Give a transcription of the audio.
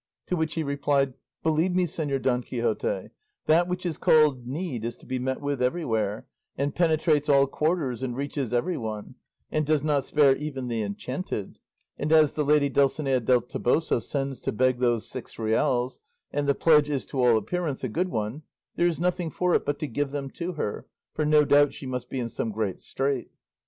To which he replied, 'Believe me, Señor Don Quixote, that which is called need is to be met with everywhere, and penetrates all quarters and reaches everyone, and does not spare even the enchanted; and as the lady Dulcinea del Toboso sends to beg those six reals, and the pledge is to all appearance a good one, there is nothing for it but to give them to her, for no doubt she must be in some great strait.